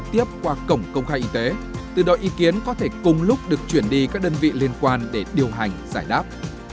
tiếp qua cổng công khai y tế từ đó ý kiến có thể cùng lúc được chuyển đi các đơn vị liên quan để điều hành giải đáp